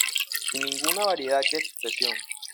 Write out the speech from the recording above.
Sin ninguna variedad de expresión.